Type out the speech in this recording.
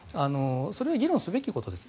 それより議論すべきことです。